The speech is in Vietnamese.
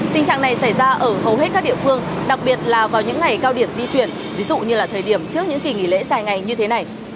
tình trạng này xảy ra ở hầu hết các địa phương đặc biệt là vào những ngày cao điểm di chuyển ví dụ như là thời điểm trước những kỳ nghỉ lễ dài ngày như thế này